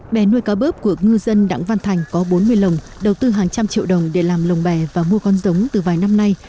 bé nuôi cá bớp của ngư dân đặng văn thành có bốn mươi lồng đầu tư hàng trăm triệu đồng để làm lồng bè và mua con giống từ vài năm nay